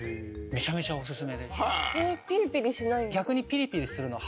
めちゃめちゃおすすめです。